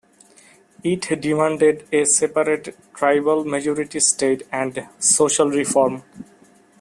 It demanded a separate tribal-majority state and social reform.